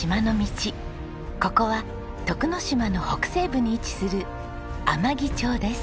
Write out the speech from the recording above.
ここは徳之島の北西部に位置する天城町です。